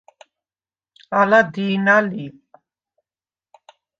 ალა დი̄ნა ლი.